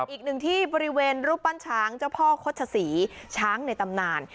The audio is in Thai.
อีกหนึ่งที่บริเวณรูปปั้นช้างเจ้าพ่อโฆษศรีช้างในตำนาน